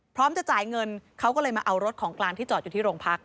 พร้อมจะจ่ายเงินเขาก็เลยมาเอารถของกลางที่จอดอยู่ที่โรงพัก